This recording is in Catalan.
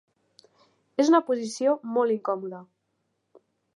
És una posició molt incòmoda.